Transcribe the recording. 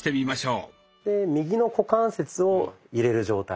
右の股関節を入れる状態。